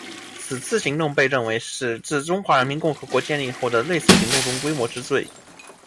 此次行动被认为是自中华人民共和国建立后的类似行动中规模之最。